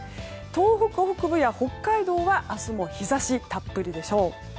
東北北部や北海道は明日も日差しがたっぷりでしょう。